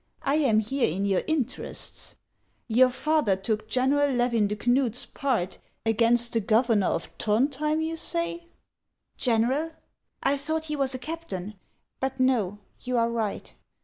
I am here in your interests. Your father took General Levin de Knud's part against the governor of Throndhjem, you say ?"" General ! I thought he was a captain. But no ; you are right.